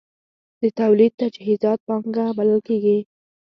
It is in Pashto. د تولید تجهیزات پانګه بلل کېږي.